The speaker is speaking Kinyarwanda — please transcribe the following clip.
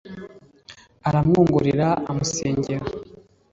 Aramwongorera amusengera